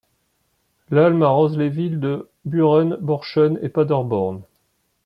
L'Alme arrose les villes de Büren, Borchen et Paderborn.